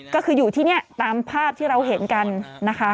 ก็คืออยู่ที่นี่ตามภาพที่เราเห็นกันนะคะ